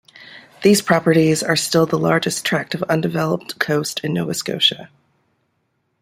These properties are still the largest tract of undeveloped coast in Nova Scotia.